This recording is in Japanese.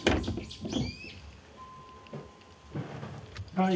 はい。